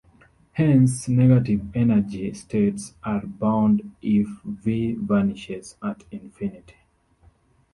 Hence, negative energy-states are bound if V vanishes at infinity.